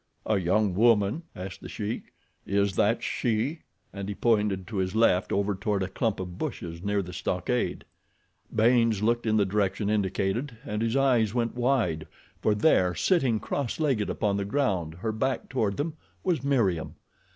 "A young woman?" asked The Sheik. "Is that she?" and he pointed to his left over toward a clump of bushes near the stockade. Baynes looked in the direction indicated and his eyes went wide, for there, sitting cross legged upon the ground, her back toward them, was Meriem.